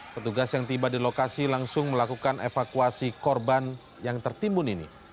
petugas yang tiba di lokasi langsung melakukan evakuasi korban yang tertimbun ini